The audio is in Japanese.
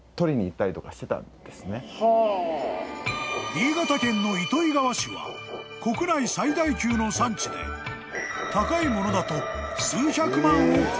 ［新潟県の糸魚川市は国内最大級の産地で高いものだと］